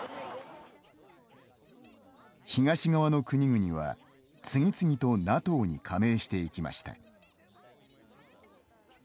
東側の国々は次々とＮＡＴＯに加盟していきました。